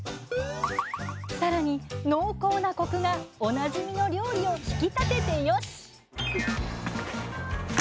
さらに濃厚なコクがおなじみの料理を引き立ててよしっ！